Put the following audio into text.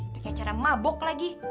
pake cara mabok lagi